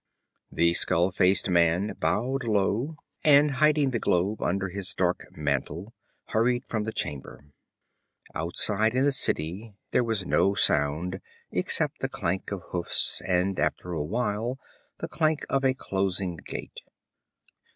The skull faced man bowed low, and hiding the globe under his dark mantle, hurried from the chamber. Outside in the city there was no sound, except the clank of hoofs and after a while the clang of a closing gate.